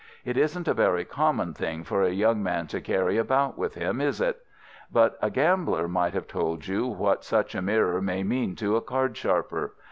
It isn't a very common thing for a young man to carry about with him, is it? But a gambler might have told you what such a mirror may mean to a cardsharper.